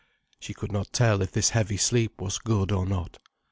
She could not tell if this heavy sleep was good or not.